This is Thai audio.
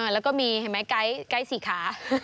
แล้วก็มีเห็นไหมไกด์สี่ขา